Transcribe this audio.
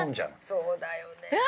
そうだよね。